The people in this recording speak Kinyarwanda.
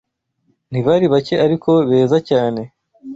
Ntibari bake ariko beza cyane